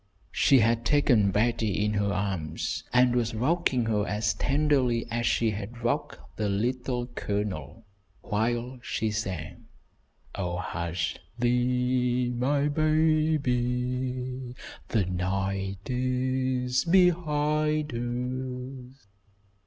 She had taken Betty in her arms, and was rocking her as tenderly as she had rocked the Little Colonel, while she sang, "Oh, hush thee, my baby, the night is behind us."